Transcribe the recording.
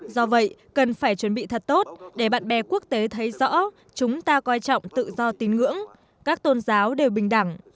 do vậy cần phải chuẩn bị thật tốt để bạn bè quốc tế thấy rõ chúng ta coi trọng tự do tín ngưỡng các tôn giáo đều bình đẳng